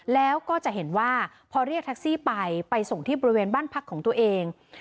แล้วก็จะเห็นว่าพอเรียกแท็กซี่ไปไปส่งที่บริเวณบ้านพักของตัวเอง